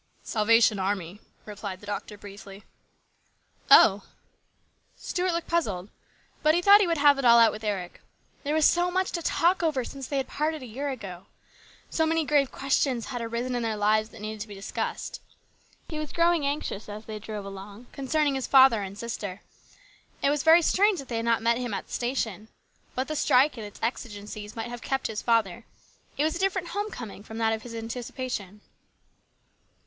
" Salvation Army," replied the doctor briefly. " Oh !" Stuart looked puzzled ; but he thought he would have it all out with Eric. There was so much to talk over since they had parted a year ago. So many grave questions had arisen in their lives that needed to be discussed. He was growing anxious, as they drove along, concerning his father and sister. It was very strange that they had not met him at the station. But the strike and its exigencies might have kept his father ; it was a different home coming from that of his anticipation.